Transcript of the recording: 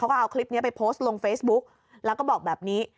ก็เอาคลิปนี้ไปโพสต์ลงเฟซบุ๊กแล้วก็บอกแบบนี้